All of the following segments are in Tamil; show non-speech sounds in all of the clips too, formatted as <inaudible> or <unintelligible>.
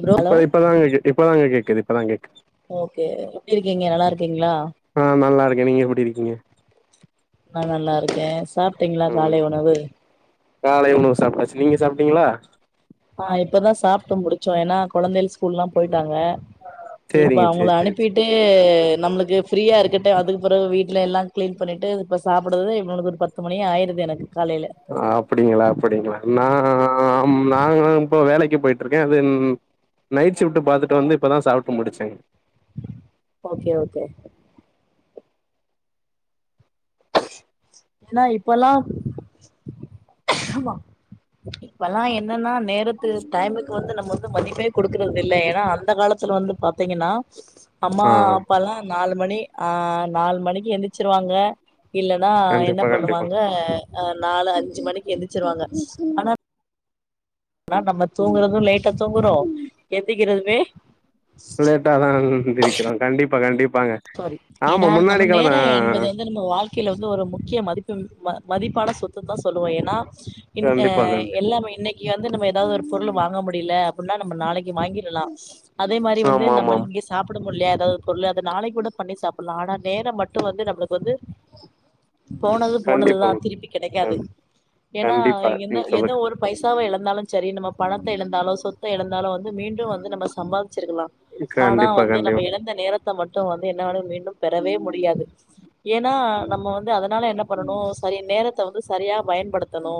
ப்ரோ ஹலோ இப்ப இப்பதாகேக்கு இப்பதாங்க கேக்குது இப்பதா கேக்கு ஓகே எப்டி இருக்கீங்க நல்லா இருக் ஆஹ் நல்லாரிக் கே நீங்க எப்புடி இருக்கீங்க நா நல்லா இருக்கே சாப் டிங்ளா ம் காலே உணவு காலை உணவு சாப்டாச்சு நீங்க சாப்ட்டீங்களா ஆஹ் இப்பதா சாப்ட்டு முடிச்சோ ஏனா கொழந்தைக ஸ்கூல்லா போய் டாங்க இப்ப சேரிங்க அவுங்கள சேரி சேரி சேரி அனுப்பிட்டு நம்ளுக்கு ஃப்ரீயா இருக்கட்டே அதுக்கு பொறவு வீட்ல எல்லா கிளீன் பண்ணிட்டு இப்ப சாப்புடுறதே இவுங்ளாள ஒரு பத்து மணி ஆய்டுது எனக் அஹ் அப்புடிங்கெளா அப்புடிங்கெளா நா ம் நா ஆனா நா இப்போ வேலைக்கு போய்ட்ருக்கே தென் நைட்ஷிஃப்ட்டு பாத்துட்டு வந்து இப்பதா சாப்ட்டு முடிச்சேங் ஓகே ஓகே எனா இப்போலா ஆமா இப்பல்லா என் னன்னா நேரத்து டைமுக்கு வந்து நம்மோ ஃபுட் மதிப்பே குடுக்கிறதில்ல ஏனா அந்த காலத்துல வந்து பாத்தீங்கனா அம்மா ஆ அப்பாலா நாலு மணி ஆஹ் நால் மணிக்கு எந்திச்சிருவாங்க இல்லனா என்ன கண்டிப்பா கண்டிப்பா பண்ணுவாங்க அஹ் நாலு அஞ்சு மணிக் ழிச்சிருவாங்க ஆனா அனா நம்ம தூங்குறது லேட்டா தூங்குறோ எந்திக்கிறதுமே லேட்டா தா எந்திரிக்கிறோ கண்டிப் பா கண்டிப் சாரி ஏனா நம்மு நேர என்பது வந்து நம்ம வாழ் க்கில வந்து ஒரு முக்கிய மதிப்பு ம மதிப்பான சொத்துந்தா சொல்லுவோ ஏன்னா இன் எ கண்டிப்பா கண்டி எல்லாமே இன்னை இங்யெந்து நம்ம எதாவ்து ஒரு பொருளு வாங்க முடியில்ல அப்புன்னா நம்ப நாளைக்கு வாங்கிறலா அதே மாரி வந்து ஆமா ஆமா நம்மள் ஆமா இங்கே சாப்ட முள்யா <unintelligible> பொருள்ள அது நாளைக் கூட பண்ணி சாப்புல்லா ஆனா நேரம் மட்டு வந்து நம்ளுக் வந்து போனது கண்டிப்பா போனதுதா திருப்பி கெடைக்காது ஏனா கண்டிப்பா என்ன நீங்க எதோ சொல்றது ஒரு பைசாவ எலந் இருந்தாலு செரி நம்ம பணத்த இழந்தாலு சொத்த இழந்தாலு வந்து மீண்டும் வந்து நம்ம சம்பாதி ச்சுருக்கலாம் ஆனா கண்டிப்பா வந்து கண்டிப்பா நம்ம இழந்த நேரத்த தமன் வ என்ன மீண்டும் பெறவே முடியாது ஏன்னா நம்ம வந்து அதனால என்ன பண்ணணு சரி நேரத்தை வந்து சரியா பயன்படுத்தணு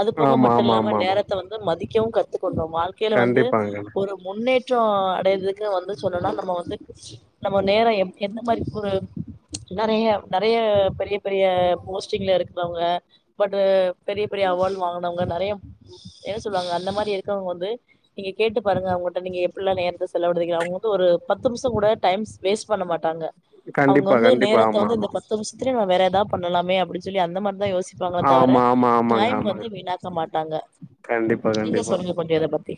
அது போக ஆமா ஆமா மட்டுல்லாம ஆமா ஆமா நேரத்த வந்து மதி யூகத்து கோம் வாழ்கைல வந்து கண்டிப்பாங்க ஒரு முன்னே டோ அடையறதுக்கு வந்து சொன்னா நம்ம வந்து நம்ம நேரோ எ எந்த மாதிரி ஒரு நெறைய நெறைய பெரிய பெரிய போஸ்ட்டிங்ல இருக்கிறவங்க பட் பெரிய பெரிய அவார்டு வாங்கினவங்க நிறைய என்ன சொல்லுவாங்க அந்த மாதிரி இருக்கிறவங்க வந்து நீங்க கேட்டு பாருங்க அவங்கட்ட நீங்க எப்படிலா நேரத்த செலவுபடுத்துரீங்க அவங்க வந்து ஒரு பத்து நிமிஷம் கூட டைம்ஸ் வேஸ்ட் பண்ண மாட்டாங்க அவங்க கண்டிப்பா வந்து கண்டிப்பா நேரத்த ஆமா வந்து ஆமா இந்த பத்துனுமுஸ் திரி வேறத பண்ணலாமே அப்பிடி சொல்லி அந்த மாரிதா யோசிச்சு சிப்பாங்கள தவிர ஆமா ஆமா ஆமாங்க டைம் வந்து ஆமாங்க வீணாக்க மாட்டாங்க நீங்க சொல்லுங்க கொஞ்சம் இத பத்தி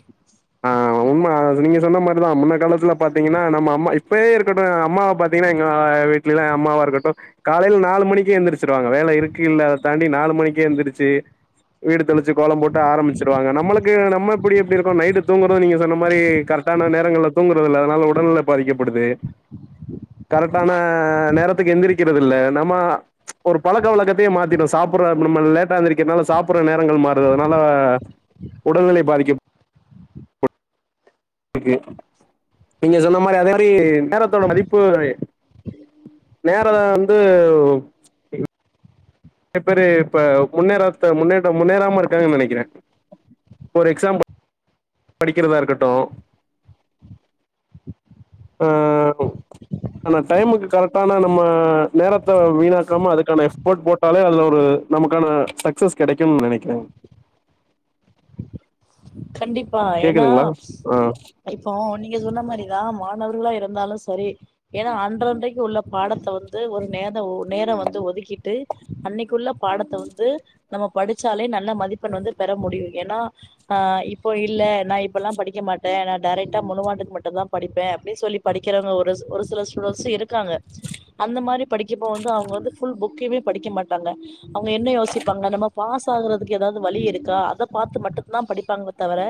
ஆஹ் உண்மை நீங்க சொன்ன மாதிரிதா முன்ன காலத்துல பாத்தீங்கன்னா நம்ம அம்மாப்ப இப்பயே இருக்கட்டு அம்மாவை பாார்த்தீங்கன்னா எங்க வீட்டுல அம்மாவா இருக்கட்டு காலையில நாலு மணிக்கே எழுந்திரிச்சிருவாங்க வேல இருக்கு இல்லா அதாண்டி நாலு மணிக்கே எழுந்திரச்சு வீடு தெளிச்சு கோலம் போட்டு ஆரம்பிச்சிருவாங்க நம்மளுக்கு நம்ம இப்டி எப்படி துங்ரோ நீங்க சொன்ன மாதிரி கரெக்டான நேரங்கள தூங்கறத இல்ல அதனால உடல்நில பாதிக்கப்படுது கரெக்டான்ன நேரத்துக்கு எந்திரிக்க இருந்ததில்ல நம்ம ஒரு பழக்க வழக்கத்தயே மாத்திடோ சாப்பற <unintelligible> நம லேட்டா எந்திரிக்கரனால சாப்படுற நே ங்லம் மாறது அதனால உடல்நிலை பாதிக்க நீங்க சொன்ன மாதிரி அதே மாதிரி நேரத்தோட மதிப்பு நேர வந்து ங் றய பேரு இப்ப முன்னேற முன்னேற்றம் முன்னேறாம இரு கங்கனு நினைக்கிறேன் ஒரு எக்ஸாம்பிள் படிக்கிறதா இருக்கட்டோ ஆஹ் ஆனா டைமுக்கு கரெக்டான நம்ம நேரத்த வீணாக்காம அதுக்கான எஃப் போர்ட் போட்டாலே அதுல ஒரு நமக்கான சக்சஸ் கிடைக்கும்னு நெனைக்கிறேன் கண்டிப்பா ஏன்னா ஆ இப்போ நீங்க சொன்ன மாதிரிதான் மாணவ துலா இருந்தாலு செரி ஏன்னா அன்றன்றைக்கு உள்ள பாடத்த வந்து ஒரு நேர நேரம் வந்து ஒதுக்கிட்டு அன்னைக்குள்ள பாடத்த வந்து நம்ம படிச்சாலே நல்ல மதிப்பெண் வந்து பெற முடியு ஏன்னா ஆஹ் இப்போ இல்ல நான் இப்பெல்லா படிக்க மாட்டேன் நான் டைரெக்ட்டா முழுஆண்டுக்கு மட்டு தான் படிப்பேன் அப்டின்னு சொல்லி படிக்கிறவங்க ஒரு ஒரு சில ஸ்டூடெண்ஸும் இருக்காங்க அந்த மாதிரி படிக்கப்ப வந்து அவங்க வந்து புஃல் புக்குமே படிக்க மாட்டாங்க அவங்க என்ன யோசிப்பாங்க நம்ம பாஸ் <unintelligible> ஆகுறதுக்கு ஏதாவது வழி இருக்கா அத பாத்து மட்டும் தான் படிப்பாங்க தவிர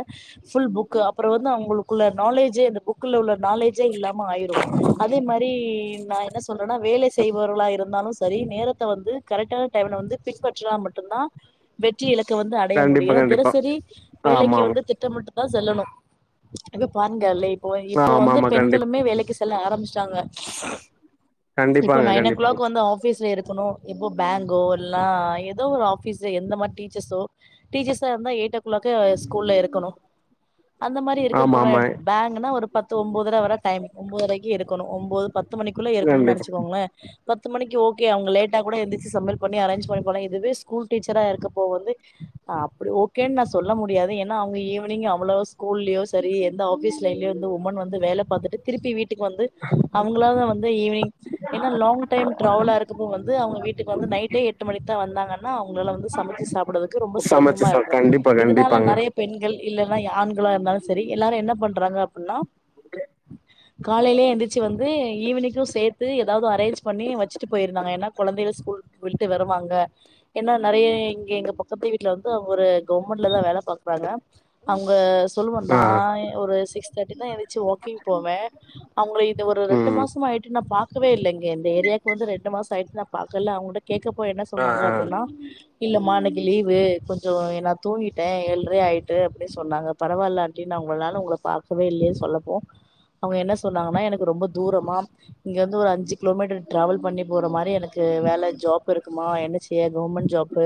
ஃபுல் புக்கு அப்புறம் வந்து அவுங்களுக்குள்ள நாலேஜே அந்த புக்கல உள்ள நாலேஜே இல்லாம ஆயிரும். அதே மாரி நான் என்ன சொல்றேன்னா வேலை செய்பவர்களா இருந்தாலும் ச சரி நேரத்தை வந்து கரெக்டான டைம்ல வந்து பின்பற்றுனா மட்டு நா தான் வெற்றி இல க்க வந்து அடைய முடியும் கண்டிப்பா ஏன்னா கண்டிப்பா தினசரி வேலைக்கு ஆமா ஆமா வந்து திட்டமிட்டு தான் செல்லணும். இப்ப பாருங்க லே இப்போ இப்போ ஆமா வந்து ஆமா கண்டிப்பா பெண்களுமே வேலைக்கு செ ல்ல ஆரம்பிச்சிட்டாங்க இப்போ கண்டிப்பாங்க நைன் ஓ கண்டிப்பாங்க கிளாக் வந்து ஆபீஸ்ல இருக்கணும். எப்போ பேங்கோ இல்லனா ஏதோ ஒரு ஆபீஸ் எந்த மாரி டீச்சர்ஸோ டீச்சர்ஸா இருந்தா எய்டோ க் க்ளாக்கே ஸ்கூல்ல இருக்கணும். அந்த மாரி இருக்க ஆமா போற ஆமா எ பேங்குனா ஒரு பத்து ஒன்பதரை வர டைம் ஒன்பதரைக்கு இருக்கணும். ஒன்போது பத்து மணிக்குள்ள இருக்கணும்னு கண்டிப்பா நினைச்சுக்கோங்களே. பத்து மணிக்கி ஓகே அவுங்க லேட்டா கூட எந்துருச்சு சமையல் பண்ணி அரேஞ் பண்ணி போலாம் இதுவே ஸ்கூல் டீச்சரா இருக் இப்போ வந்து அப்டி ஓக் கேன்வாஸ் சொல்ல முடியாது ஏன்னா அவுங்க ஈவினிங் அவ்ளோ ஸ்கூல்லயோ சரி எந்த ஆபீஸ் லைன்லருந்து உமன் வந்து வேல பாத்துட்டு திருப்பி வீட் டுக்கு வந்து அவுங்களா தான் வந்து ஈவ்னிங் ஏன்னா லாங் டைம் டிரவலா இருக்கப்ப வந்து அவுங்க வீட்டுக்கு வந்து நைட்டே எட்டு மணிக்கு தான் வந்தாங்கன் னா அவுங்களால வந்து சமைச்சு சாப்டுறதுக்கு ரொம்ப சமைச்சு சிரமமா சா இருக்கும். கண்டிப்பா இதுனால கண்டிப்பாங்க நெறைய பெண்கள் இல்லன்னா ஆண்களா இருந்தாலும் சரி எல்லாரும் என்ன பண்றாங்க அப்டின்னா காலேலயே எந்திருச் ச்சு வந்து ஈவ்னிக்கும் சேத் த்து ஏதாவது அரேஞ்ச் பண்ணி வச்சுட்டு போயிருந்தாங்க ஏன்னா கொழந்தைக ஸ்கூல் விட்டு வருவாங்க ஏன்னா நெறைய இங்க எங்க பக்கத்து வீட்ல வந்து ஒரு கவர்மெண்ட்ல தான் வேல பாக்குறாங்க. அவுங்க ஸ் சொல்லுவோ ஆ நா ஒரு சிக்ஸ் தட்டிதா எழு ச்சு வாக்கிங் போவேன். அவுங்கள இது ஒரு ரெண்டு ம் மாசம் ஆய்ட்டு நான் பாக் கவே இல்லங்க இந்த ஏரியாவுக்கு வந்து ரெண்டு மாசம் ஆயிட்டு நான் பாக்கல அவங்கட்ட கேட்க போ என்ன ஆ சொன்னாங்க ஆ அப்டின்னா இல்லமா இன்னைக்கு லீவு கொஞ்சோ எல்லா தூங்கிட்டேன் ஏல்ரே ஆயிட்டு அப்டின்னு சொன்னாங்க பரவாயில்ல ஆன்டி நான் உங்களனால உங்கள பாக்கவே இல்லேன்னு சொல்லப்போ அவுங்க என்ன சொன்னாங்கன்னா எனக்கு ரொம்ப தூரமா இங்க வந்து ஒரு அஞ்சு கிலோமீட்டர் டிராவல் பண்ணி போற மாரி எனக்கு வேல ஜாப் இருக்குமா என்னச்சு கவுர்மெண்ட் ஜாப்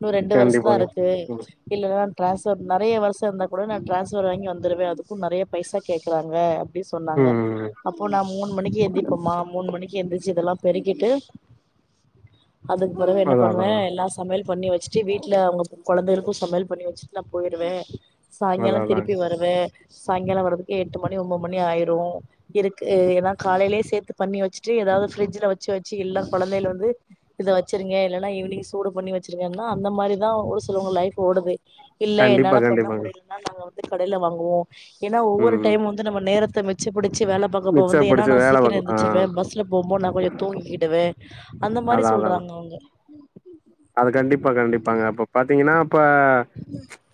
இன்னு ரெண்டு வருஷம் தா கண்டிப்பாங்க இருக்கு ம் இல்ல நா டிரான்ஸ்ர் நெறைய வருஷோ இருந்தா கூட நா டிரான்ஸ்பபர் வாங்கி வந்துருவே அதுக்கு நெறைய பைசா கேக்குறாங்க ப்ப சொன்னாங்க ம் அப்போ நான் மூணு மணக்கு எந்திப்போமா மூணு மணிக்கு எந்திச்சு இதெல்ல பெருக்கிட்டு அதுக்கு பிறகு என்ன அதா அதா பண்ணுவே எல்லா சமையல் பண்ணி வச்சுட்டு வீட்ல அவங்க கொழந்தகளுக் சமையல் பண்ணி வச்சிட்டு நா போய்டுவே அதா சாய்ங்காலம் அதாங்க திருப்பி வருவே சாயங்காலோ வர்றதுக்கு எட்டு மணி ஒன்பது மணி ஆயிரு இருக்கு ஏனா காலையிலயே சேத்து பண்ணி வச்சுட்டு ஏதாவது ஃபிரிட்ஜ்ல வச்சு வச்சு இல்ல குழந்தைல வந்து இத வச்சிருங்க இல்லைன்னா ஈவினிங் சூடு பண்ணி வச்சிருங்கன்னா அந்த மாரிதா ஒரு சிலவங்க லைஃப் கூடவே இல்ல கண்டிப்பா என்னால பண்ண கண்டிப்பாங்க முடியலன்னா நாங்க வந்து கடையில வாங்குவோ ஏன்னா ஒவ்வொரு ம் டைம் வந்து நம்ம நேரத்த மிச்ச பிடிச்சு வேல பாக்க போ மிச்ச வந்து ஏன்னா புடிச்ச நா வேல சீக்கிரோ பாக்கு ஆ எந்திரிச்சிருவே பஸ்ல போம்போது நா கொஞ்சோ தூங்கிடுவே அந்த மாரி அதா அதா சொல்றாங்க அவங்க அது கண்டிப்பா கண்டிப்பாங்க அப்ப பாத்தீங்கன்னா இப்ப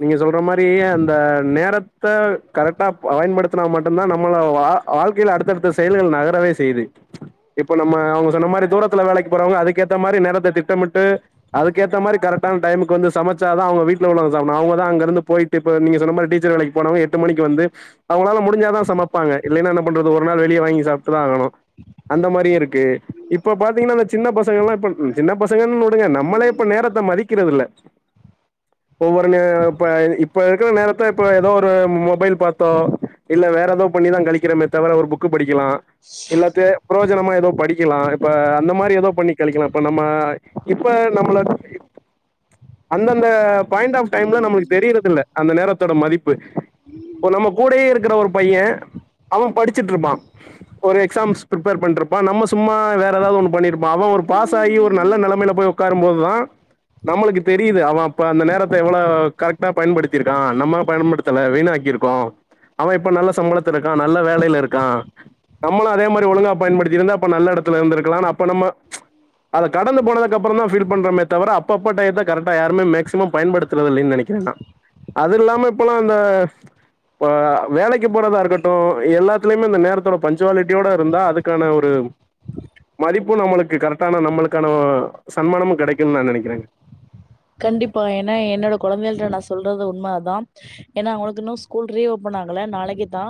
நீங்க சொல்ற மாரி பியே அந்த நேரத் கரெக்டா பயன்படுத்தினா மட்டும்தா நம்ம வா வாழ்க்கையில அடுத்தடுத்த செயல்கள் நகரவே செய்யுது இப்ப நம்ம அவங்க சொன்ன மாரி தூரத்துல வேலைக்கு போறவங்க அதுக்கேத்த மாரி நேரத்தை திட்டமிட்டு அதுக்கேத்த மாரி கரெக்டான டைமுக்கு வந்து சமைச்சாதா அவங்க வீட்டுல உள்ளவங்க சாப்பிடு அவங்கதா அங்க இருந்து போயிட்டு இப்ப நீங்க சொன்ன மாரி டீச்சர் வேலைக்கு போனவங்க எட்டு மணிக்கு வந்து அவங்களால முடிஞ்சாதா சமைப்பாங்க இல்லைன்னா என்ன பண்றது ஒரு நாள் வெளியே வாங்கி சாப்பிட்டுதா ஆகனு அந்த மாதிரியும் இருக்கு இப்ப பாத்தீங்கன்னா அந்த சின்ன பசங்க எல்லா இப்ப சின்ன பசங்கன்னனு வுடுங்க நம் நமளே இப்ப நேரத்த மதிக்கிறதுல்ல ஒவ்வொருங்க இப்ப இப்ப இருக்கிற நேரத்த இப்ப ஏதோ ஒரு மொபைல் பாத்தோ இல்ல வேற ஏதோ பண்ணிதா கழிக்கிறமே தவிர ஒரு புக் படிக்க க்கலா இல்லாத்த புயோஜனமா ஏதோ படிக்கலா இப்ப அந்த மாரி ஏதோ பண்ணி கழிக்கல இப்ப நம்ம இப் இப்ப நம்மள அந்த ந்த பாயிண்ட் ஆஃப் டைம்ல நமக்கு தெரியிறது இல்ல அந்த நேரத் தோட மதிப் இப்ப நம்ம கூடேயே இருக்கிற ஒரு பைய அவ படிச்சட்டு இருப்பா ஒரு எக்ஸாம்ஸ் பிப்பேர் பண்ணிருப்பா நம்ம சு சும்மா வேறு ஏதாவது ஒன்று பண்ணிருப்பா அவ ஒரு பாஸ் ம் ஆகி ஒரு ம் நல்ல நெலமையில போய் உக்காரும்போது தா நம்மளுக்கு தெரியுது அவ அப்ப அந்த நேத்தை எவ்ளோ கரெக்டா பயன்படுத்தியுருகக நம்ம பயன்படுத்தல வீணாக்கி இருக்கோ அவ இப்ப நல்ல சம்பளத்த இருக்கா நல்ல வேல இருக்கா நம்மளு அதே மாரி ஒழுங்கா பயன்படுத்திருந்தா இப்ப நல்ல எடத்துல இருந்திருகலா அப்ப நம்ம அத கடந்து போனதுகப்புற தா ஃபீல் பண்றமே தவிர அப்பப்ப டையத்த கரெக்டா யாருமே மேக்ஸிமம் பயன்படுத்தறதில்லன்னு நெனைக்கிறே நா அது இல்லாம இப்பெல்லா அந்த வ வேலைக்கு போறதா இருக்கட்டு எல்லாத்திலுயுமே இந்த நேரத்தோட பன்ஜீவாலிட்டியோட இருந்தா அதுக்கான ஒரு மதிப்பு நம்ளுக்கு கரெக்டான நம்ளுக்கான அ சன்மானமு கெடக்குன்னு நா நெனக்கறேங்க கண்டிப்பா ஏன்னா என்னோட கொழந்தைகள்ட நா சொல்றது உண்ம அதா, ஏனா உனக்கு இன்னு ஸ்கூல் ரீ ஓபன் ஆகல நாளைக்குதா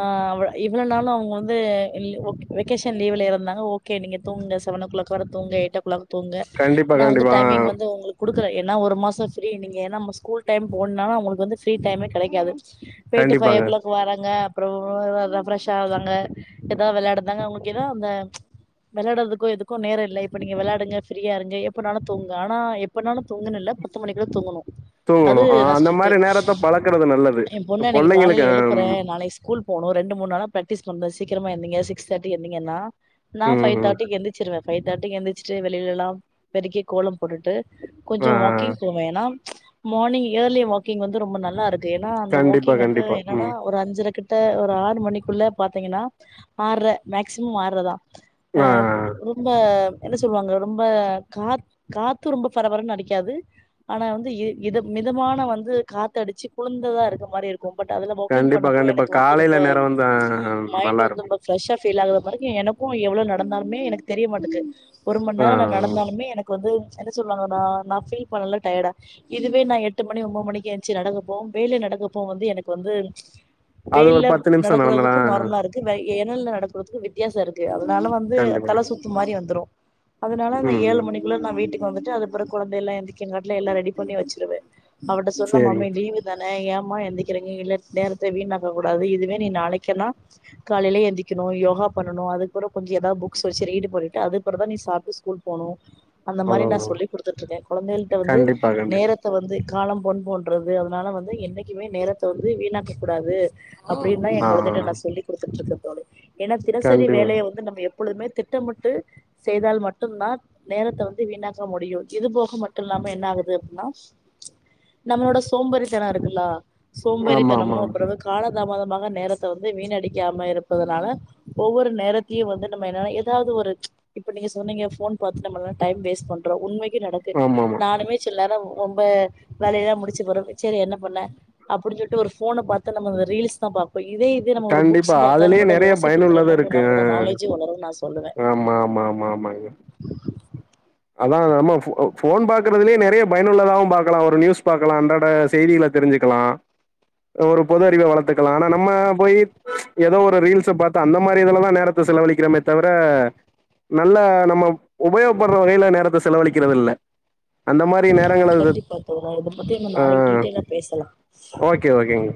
ஆ அவ்ள இவ்வள நாளு அவங்க வந்து லி ஒக் வெகேஷன் லீவுல இருந்தாங்க ஓகே நீங்க தூங்குங்க செவன் ஓ கிளாக் வர தூங்குங்க எயிட் ஓ கிளாக் தூங்க கண்டிப்பா நா வந்து கண்டிப்பா டைமிங் ஆ, வந்து உங்களுக் குடுக்குற ஏன்னா ஒரு மாச ஃபிரி நீங்க என்னா ஸ்கூல் டைம் போனா உங்களுக்கு வந்து ஃபிரி டைமே கெடைக்காது போய்ட்டு ஃபை ஓ கண்டிப்பாங்க கிளாக்கு வராங்க அப்றோ ர ரெப்ரஷ் ஆவுதாங்க ஏதா வெளையாடுதாங்க அவங்களுக்கு ஏதோ அந்த வெளையாடுறதுக்கோ எதுக்கு நேரம் இல்ல இப்போ நீங்க வெளையாடுங்க ஃப்ரீயா இருங்க எப்போனாலு தூங்க ஆனா எப் பனாலு துங்குணு இல்ல பத்து மணிக்குள்ள துங்கணு அது தூங்கணும் ஆ, நா அந்த ஸ்டிட்டு மாதிரி நேரத்தை பழக்கிறது நல்லது எ பொண்ண அன்னைக்கி காலைல பிள்ளைங்களுக்கு ஆம், எழுப்புறே நாளைக்கு ஸ்கூல் போனு ரெண்டு மூணு நாளா பிராக்டிஸ் பண்னு சீக்கிரமா எந்திரிங்க சிக்ஸ் தேர்ட்டிக்கு எந்திரிங்கனா நா ஃபை ம், ம், தேர்டிக்கு எந்திரிசிருவே ஃபைவ் தேர்ட்டிக்கு எழுந்திச்சிட்டு வெளிலலா பெருக்கி கோலம் போட்டுட்டு கொஞ்சோ ஆ, வாக்கிங் போவே, ஏனா மார்னிங் ஏர்லி வாக்கிங் வந்து ரொம்ப நல்லா இருக் து ஏனா அந்த கண்டிப்பா வாக்கிங் வந்து கண்டிப்பா என்னனா ம் ஒரு அஞ்சரக் கிட்ட ஒரு ஆறு மணிக்குள்ள பாத்திங்கன்னா ஆறர மேக்சிமம் ஆறரதா அ ஆ, ரொம்ப என்ன சொல்வாங்க ரொம்ப காத் காத்து ரொம்ப பரபரன்னு அடிக்காது ஆனா வந்து இ இது மிதமான வந்து காத்து அடிச்சு குளுந்ததா இருக்க மாரி இருக்கு பட் அதுல வாக்கிங் கண்டிப்பா பண்ணப்போ கண்டிப்பா எனக்கு வந்து ரொம்ப காலையில நேரம் வந்து ஆ, மைண்ட் நல்லா வந்து இருக்கும் ரொம்ப ஃபிரஸ்ஸா சேல் ஆகுற வரைக்கு எனக்கு எவ்ளோ நடந்தாலுமே எனக்கு தெரிய மாட்டக்கு ஒரு மண் ஆ, நேர நா நடந்தாலுமே எனக்கு வந்து சொல்லுவாங்கனா நா ஃபீல் பண்ணல டயர்டா இதுவே நா எட்டு மணி ஒம்பது மணிக்கு எந்ச்சு நடக்கப்போ வெயில நடக்கப்போ வநது எனக்கு வந்து அது ஒரு வெயில்ல பத்து நிமிஷம் நடந்தனா நடக்கறதுக்கு நார்மலா இருக்கு நெ ழல்ல நடக்குறதுக்கு வித்தியாச இருக்கு அதனால வந்து கண்டிப்பா தல சுத்து மாரி வந்துரு அதனால நா ம் ஏழு ம், மணிக்குள்ள நா வீட்டுக்கு வந்துட்டு அதுப்பற கொழந்தை எல்லா எந்திங்ககாட்டிலு எல்லா ரெடி பண்ணி வெச்சிடுவே அவட்ட சொன்ன சரிங்க மம்மி லீவு தான ஏ மா எந்திரிக்கிறிங்க இல்ல நேரத்த வீணாக்க கூடாது இதுவே நீ நாளைக்கனா காலைல எந்திக்கணு யோகா பண்ணணு அதுக்கப்பற கொஞ்ச ஏதா புக்ஸ் வச்சு ரீடு பண்ணிட்டு அதுக்கப்புறந்தா நீ சாப்ட்டு ஸ்கூல் போணு அந்த மாரி நா அதான் சொல்லி குடுத்துட்ருக்கே கொழந்தைகள்ட்ட வந்து கண்டிப்பா கண்டிப்பா நேரத்த வந்து காலம் பொன் போன்றது அதனால வந்து என்னைக்குமே நேரத்த வந்து வீணாக்க கூடாது அப்டின்னா எ ஆ கொழந்தைட்ட ஆ நா சொல்லி குடுத்துட்ருக்க <inaudible> ஏன்னா தினசரி கண்டிப்பா வேலயை வந்து நம்ம பொழுதுமே திட்டமிட்டு செய்தால் மட்டும்தான் நேரத்தை வந்து வீணாக முடியு இது போக மட்டு இல்லாம என்ன ஆகுது அப்டின்னா நம்மளோட சோம்பறித்தனம் இருக்குல்லா ஆமா ஆமா சோம்பேரித்தனமு ஆமா அப்புறோ எதோ கால தாமதமாக நேரத்த வந்து வீண் அடிக்காம இருப்பதனால ஒவ்வொரு நேரத்தையு வந்து நம்ம என்னால ஏதாவது ஒரு இப்ப நீங்க சொன்னீங்க போன் பாத்து நம்ம எல்லா டைம் வேஸ்ட் பண் றோ உண்மைக் கி நடக்கு ஆமா ஆமா நானுமே சில நேரம் ரொம்ப வேலையெல்லா முடிச்சு போறம் செரி என்ன பண்ணே அப்டின் சொல்ட்டு ஒரு போன பாத்து நம்ம அந்த ரீல்ஸ் தா பாப் கண்டிப்பா அதுலயே நெறைய வாசிப்பு பயனுள்ளது திறனு இருக்கு அ நம்மளோட நாலேஜு வளருன்னு நா சொல்லுவே ஆமா ஆமா ஆமா ஆமாங்க அதா நம்ம போன் பாக்கறதுலயே நெறைய பயனுள்ளதாவு பாக்கலா ஒரு நியூஸ் பாக்கலா அன்றாட செய்திகள தெரிஞ்சுக்கலா ஒரு பொது அறிவ வளத் த்துக்கலா ஆனா நம்ம போயி ஏதோ ஒரு ரீல்ஸ் பாத்து அந்த மாரி இதுல தா நேரத்த செலவழிக்கிறமே தவிர நல்ல நம்ம உபயோகப்ப வகையில நேரத்த செலவழிக்கிறது இல்ல அந்த மாரி நேரங்கள கண்டிப்பா தோழர் இத பத்தி நம்ப ஆ நாளைக்கு டீட்டெயலா பேசலாம் ஓகே ஓகேங்க